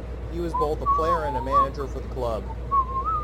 He was both a player and a manager for the club.